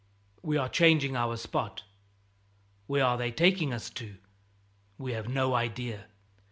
We are changing our spot. Where are they taking us to? We have no idea.